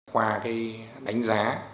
qua cái đánh giá